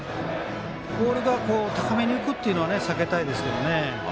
ボールが高めに浮くというのは避けたいですね。